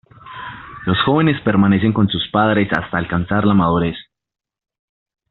Los jóvenes permanecen con su padres hasta alcanzar la madurez.